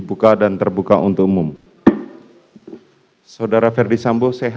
udah udah udah udah gitu